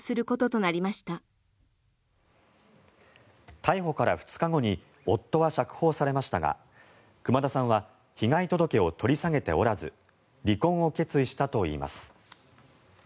逮捕から２日後に夫は釈放されましたが熊田さんは被害届を取り下げておらず離婚を決意したといいます。